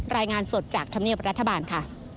รายงานสดจากธรรมเนียบรัฐบาลค่ะ